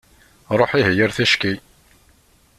Ruḥ ihi ar-ticki.